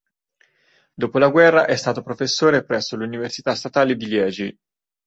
Dopo la guerra, è stato professore presso l'Università statale di Liegi.